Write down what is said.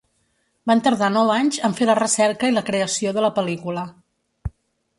Van tardar nou anys en fer la recerca i la creació de la pel·lícula.